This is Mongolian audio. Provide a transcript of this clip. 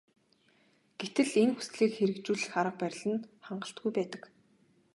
Гэтэл энэ хүслийг хэрэгжүүлэх арга барил нь хангалтгүй байдаг.